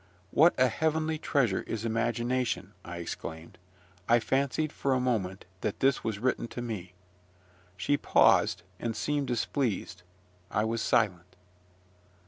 "What a heavenly treasure is imagination:" I exclaimed; "I fancied for a moment that this was written to me." She paused, and seemed displeased. I was silent.